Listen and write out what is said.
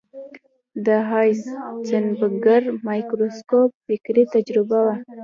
د هایزنبرګر مایکروسکوپ فکري تجربه وه.